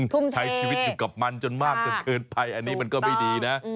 ใช้ชีวิตอยู่กับมันจนมากจนเกินไปอันนี้มันก็ไม่ดีนะ